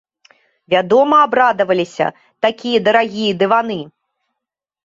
Вядома, абрадаваліся, такія дарагія дываны!